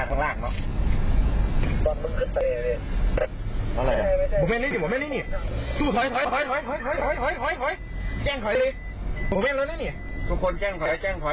จะโดดสะพานข้างล่างเหรอ